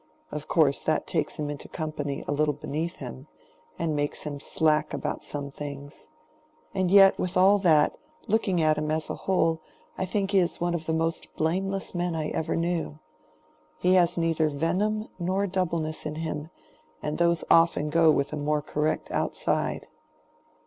Of course that takes him into company a little beneath him, and makes him slack about some things; and yet, with all that, looking at him as a whole, I think he is one of the most blameless men I ever knew. He has neither venom nor doubleness in him, and those often go with a more correct outside."